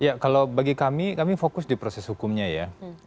ya kalau bagi kami kami fokus di proses hukumnya ya